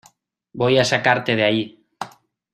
Voy a sacarte de ahí.